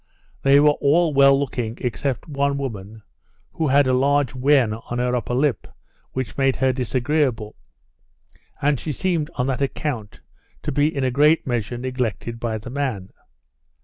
They were all well looking, except one woman, who had a large wen on her upper lip, which made her disagreeable; and she seemed, on that account, to be in a great measure neglected by the man.